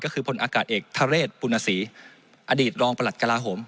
ก็คือพลอากาศเอกทะเรศปุณศรีอดีตรองประหลัดกระลาโหม